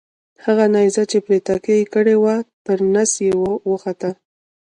هغه نیزه چې پرې تکیه یې کړې وه تر نس یې وخوته.